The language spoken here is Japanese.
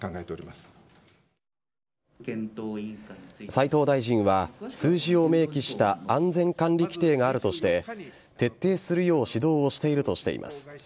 斉藤大臣は数字を明記した安全管理規定があるとして徹底するよう指導をしているとしています。